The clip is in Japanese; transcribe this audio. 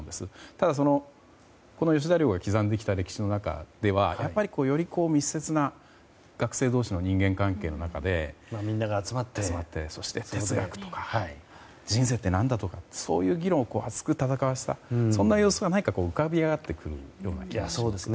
ただ、吉田寮が刻んできた歴史の中ではやっぱり、より密接な学生同士の人間関係の中でみんなが集まって、哲学とか人生ってなんだとかそういう議論を熱く戦わせたそんな様子が浮かび上がってくる気がしますね。